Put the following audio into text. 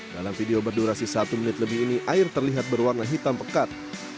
dalam video berdurasi satu menit lebih ini air terlihat berwarna hitam pekat